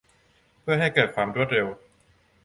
เพื่อให้เกิดความรวดเร็ว